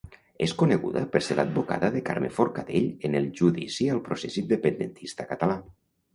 És coneguda per ser l'advocada de Carme Forcadell en el judici al procés independentista català.